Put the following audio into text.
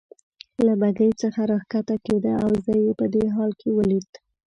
له بګۍ څخه راکښته کېده او زه یې په دې حال کې ولید.